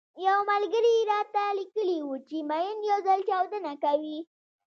يو ملګري راته ليکلي وو چې ماين يو ځل چاودنه کوي.